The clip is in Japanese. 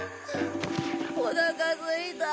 おなかすいた。